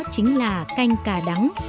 chính là canh cà đắng